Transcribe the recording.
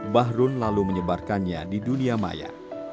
bahrun lalu menyebarkannya di dunia maya